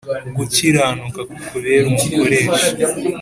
Gukiranuka kukubere umukoresha